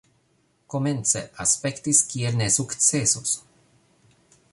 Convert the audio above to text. Komence aspektis kiel ne sukcesos